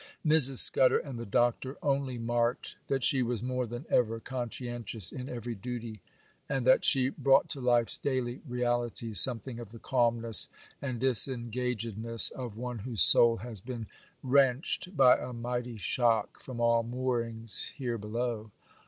Mrs. Scudder and the Doctor only marked that she was more than ever conscientious in every duty, and that she brought to life's daily realities something of the calmness and disengagedness of one whose soul has been wrenched by a mighty shock from all moorings here below.